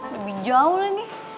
lebih jauh lagi